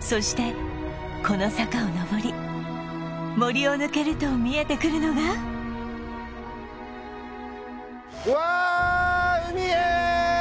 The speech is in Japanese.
そしてこの坂を上り森を抜けると見えてくるのがわあっ海へー！